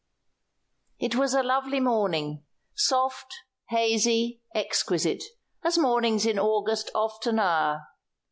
"] It was a lovely morning soft, hazy, exquisite, as mornings in August often are.